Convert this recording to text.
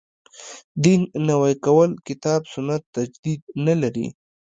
دین نوی کول کتاب سنت تجدید نه لري.